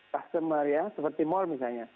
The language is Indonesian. customer ya seperti mall misalnya